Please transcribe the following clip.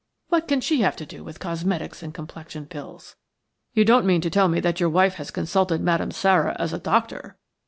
What can she have to do with cosmetics and complexion pills?" "You don't mean to tell me that your wife has consulted Madame Sara as a doctor?"